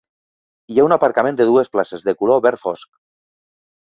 Hi ha un aparcament de dues places, de color verd fosc.